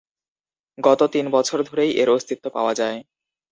গত তিন বছর ধরেই এর অস্তিত্ব পাওয়া যায়।